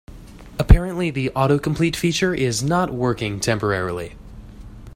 Apparently, the autocomplete feature is not working temporarily.